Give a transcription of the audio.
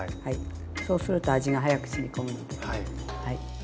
そうすると味が早くしみ込むので。